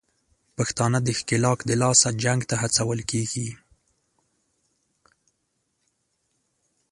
پښتانه د ښکېلاک دلاسه جنګ ته هڅول کېږي